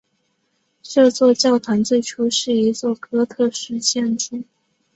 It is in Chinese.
这座教堂最初是一座哥特式建筑。